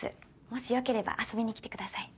もし良ければ遊びに来てください。